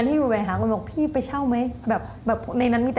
แต่ลำบาก